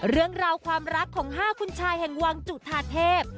เรื่องราวความรักของ๕คุณชายแห่งวังจุธาเทพ